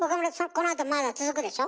このあとまだ続くでしょ？